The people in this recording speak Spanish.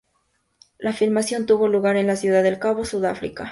La filmación tuvo lugar en la Ciudad del Cabo, Sudáfrica.